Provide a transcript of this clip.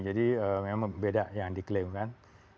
jadi memang beda yang diklaim kan